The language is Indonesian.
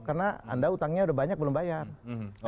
karena anda utangnya udah banyak belum bayar